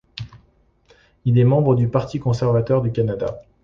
Il est membre du Parti conservateur du Canada.